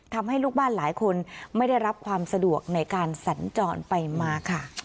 ทำให้ลูกบ้านหลายคนไม่ได้รับความสะดวกในการสัญจรไปมาค่ะ